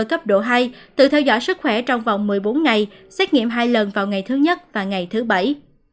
cấp độ hai tự theo dõi sức khỏe trong vòng một mươi bốn ngày xét nghiệm hai lần vào ngày thứ nhất và ngày thứ bảy